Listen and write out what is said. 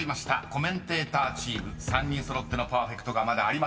［コメンテーターチーム３人揃ってのパーフェクトがまだありません］